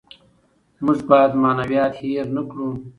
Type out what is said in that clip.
موږ باید معنویات هېر نکړو.